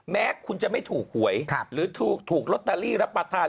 แม้คุณจะไม่ถูกหวยหรือถูกลอตเตอรี่รับประทาน